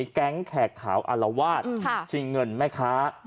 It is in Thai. แก๊งแขกขาวอารวาสชิงเงินแม่ค้า